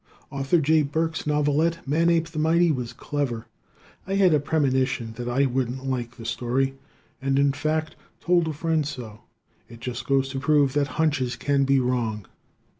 Arthur J. Burks' novelette, "Manape the Mighty," was clever. I had a premonition that I wouldn't like this story, and in fact told a friend so. It just goes to prove that hunches can be wrong.